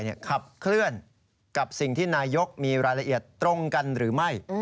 ขับเคลื่อนกับสิ่งที่นายกมีรายละเอียดตรงกันหรือไม่